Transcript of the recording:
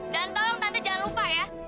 dan tolong tante jangan lupa ya